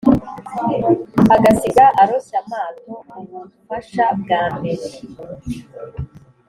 agasiga aroshye amato ubufasha bwambere